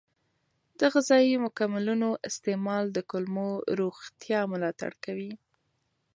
د غذایي مکملونو استعمال د کولمو روغتیا ملاتړ کوي.